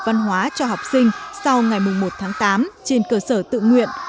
văn hóa cho học sinh sau ngày một tháng tám trên cơ sở tự nguyện